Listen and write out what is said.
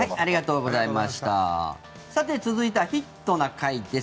さて、続いては「ヒットな会」です。